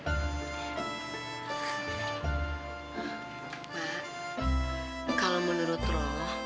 mak kalau menurut ro